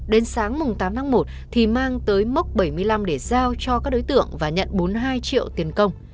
đến sáng tám tháng một thì mang tới mốc bảy mươi năm để giao cho các đối tượng và nhận bốn mươi hai triệu tiền công